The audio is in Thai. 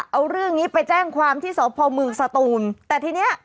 เอาเรื่องนี้ไปแจ้งความที่สพมสตูนแต่ทีเนี้ย